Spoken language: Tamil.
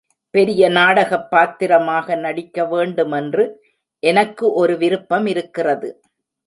பெரிய நாடகப் பாத்திரமாக நடிக்கவேண்டுமென்று எனக்கு ஒரு விருப்பமிருக்கிறது.